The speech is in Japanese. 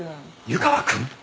湯川君！？